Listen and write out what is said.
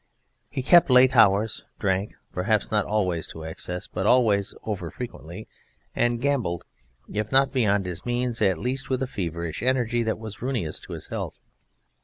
He kept late hours, drank perhaps not always to excess but always over frequently and gambled, if not beyond his means, at least with a feverish energy that was ruinous to his health.